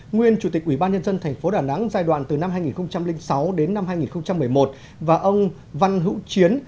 nguyên chủ tịch ubnd tp đà nẵng giai đoạn từ năm hai nghìn sáu đến năm hai nghìn một mươi một và ông văn hữu chiến